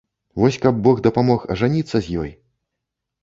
Вось каб бог дапамог ажаніцца з ёй!